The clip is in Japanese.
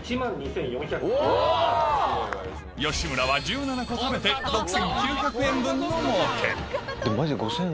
吉村は１７個食べて６９００円分のもうけでもマジで。